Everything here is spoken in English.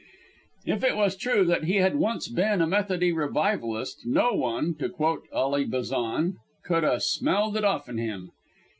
If it was true that he had once been a Methody revivalist no one, to quote Alia Bazan, "could a' smelled it off'n him."